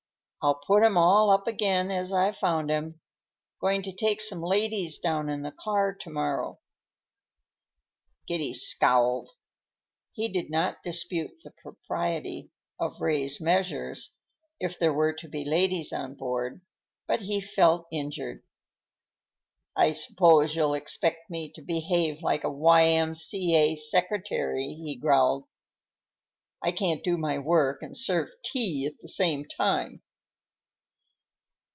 I'll put 'em all up again as I found 'em. Going to take some ladies down in the car to morrow." Giddy scowled. He did not dispute the propriety of Ray's measures, if there were to be ladies on board, but he felt injured. "I suppose you'll expect me to behave like a Y.M.C.A. secretary," he growled. "I can't do my work and serve tea at the same time."